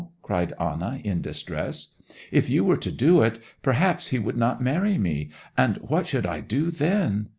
cried Anna in distress. 'If you were to do it, perhaps he would not marry me; and what should I do then?